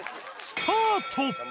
スタート！